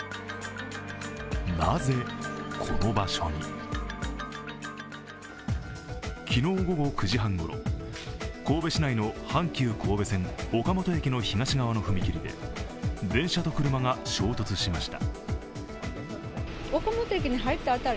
なぜ、この場所に昨日午後９時半ごろ、神戸市内の阪急神戸線岡本駅の東側の踏切で電車と車が衝突しました。